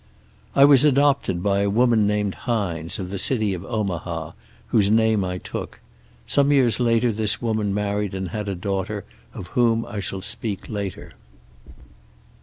"I was adopted by a woman named Hines, of the city of Omaha, whose name I took. Some years later this woman married and had a daughter, of whom I shall speak later.